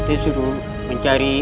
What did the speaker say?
kami akan mencari